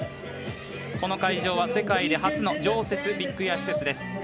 この会場は世界で初の常設ビッグエア施設です。